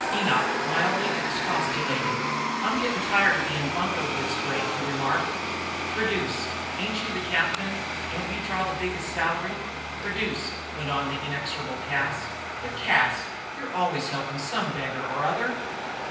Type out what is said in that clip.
Enoch mildly expostulated. "I'm gettin' tired of bein' buncoed this way," he remarked. "Produce. Ain't you the captain? Don't you draw the biggest salary? Produce," went on the inexorable Cas. "But, Cas, you're always helpin' some beggar or other."